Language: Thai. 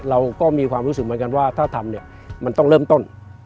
เราก็มีความรู้สึกเหมือนกันว่าถ้าทำเนี่ยมันต้องเริ่มต้น